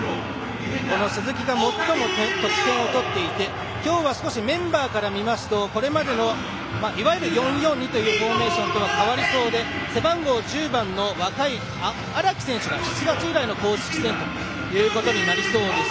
鈴木が最も得点を取っていて今日はメンバーから見ますとこれまでの４−４−２というフォーメーションからは変わりそうで背番号１０番の若い荒木選手が７月以来の公式戦ということになりそうです。